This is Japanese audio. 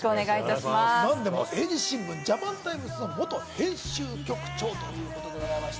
何でも英字新聞・ジャパンタイムズの元編集局長ということです。